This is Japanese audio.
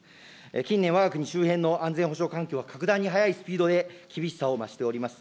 近年、わが国周辺の安全保障環境は格段に速いスピードで厳しさを増しております。